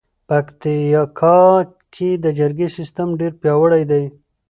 پکتیکا کې د جرګې سیستم ډېر پیاوړی دی.